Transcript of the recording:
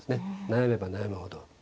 悩めば悩むほど。